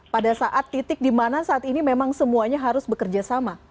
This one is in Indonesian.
pada saat titik di mana saat ini memang semuanya harus bekerja sama